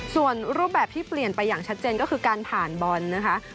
ส่วนรูปแบบที่เปลี่ยนไปอย่างชัดเจนก็คือการผ่านบอลนะคะ